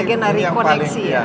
karena ini bagian dari koneksi ya